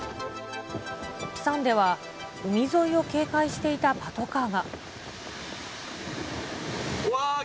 プサンでは、海沿いを警戒していたパトカーが。